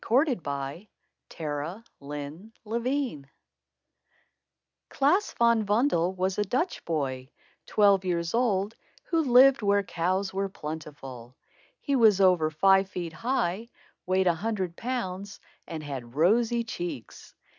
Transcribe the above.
THE BOY WHO WANTED MORE CHEESE Klaas Van Bommel was a Dutch boy, twelve years old, who lived where cows were plentiful. He was over five feet high, weighed a hundred pounds, and had rosy cheeks.